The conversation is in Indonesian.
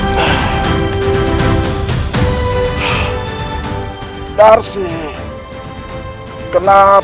menangér sharing video dengan nomor lima